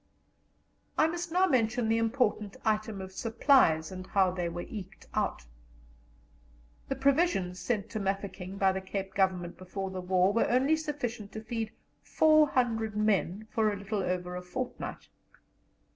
I must now mention the important item of supplies and how they were eked out. The provisions sent to Mafeking by the Cape Government before the war were only sufficient to feed 400 men for a little over a fortnight.